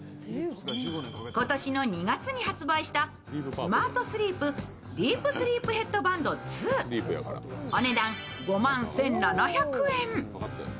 今年の２月に発売したスマートスリープ・ディープスリープバンド２お値段５万１７００円。